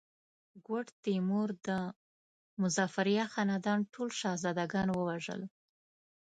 ګوډ تیمور د مظفریه خاندان ټول شهزاده ګان ووژل.